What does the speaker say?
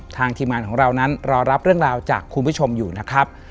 ทีมงานของเรานั้นรอรับเรื่องราวจากคุณผู้ชมอยู่นะครับ